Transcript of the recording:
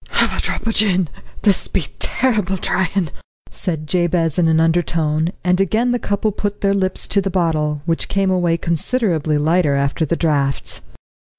"Have a drop o' gin; this be terrible tryin'," said Jabez in an undertone; and again the couple put their lips to the bottle, which came away considerably lighter after the draughts.